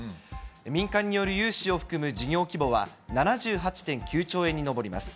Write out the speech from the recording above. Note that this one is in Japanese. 民間による融資を含む事業規模は７８．９兆円に上ります。